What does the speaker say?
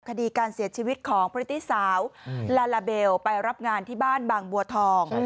คดีการเสียชีวิตของพฤติสาวลาลาเบลไปรับงานที่บ้านบางบัวทอง